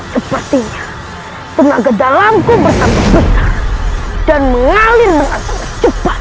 sepertinya tenaga dalamku bersambut besar dan mengalir dengan cepat